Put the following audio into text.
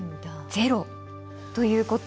ゼロということ。